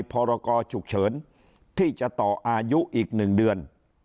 พรกรฉุกเฉินที่จะต่ออายุอีก๑เดือน